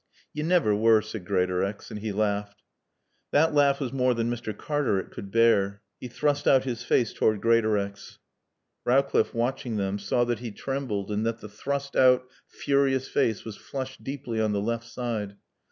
"Yo navver were," said Greatorex; and he laughed. That laugh was more than Mr. Cartaret could bear. He thrust out his face toward Greatorex. Rowcliffe, watching them, saw that he trembled and that the thrust out, furious face was flushed deeply on the left side.